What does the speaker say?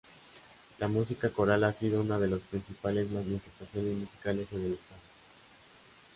La música coral ha sido una de las principales manifestaciones musicales en el estado.